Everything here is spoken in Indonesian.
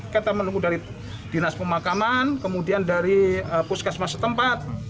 kita menunggu dari dinas pemakaman kemudian dari puskesmas setempat